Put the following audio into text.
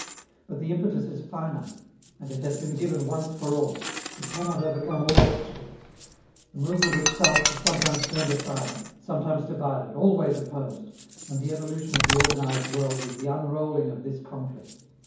But the impetus is finite, and it has been given once for all. It cannot overcome all obstacles. The movement it starts is sometimes turned aside, sometimes divided, always opposed; and the evolution of the organized world is the unrolling of this conflict.